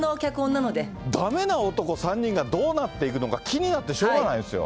だめな男３人がどうなっていくのか、気になってしょうがないですよ。